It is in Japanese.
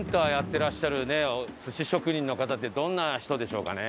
てらっしゃるね寿司職人の方ってどんな人でしょうかね。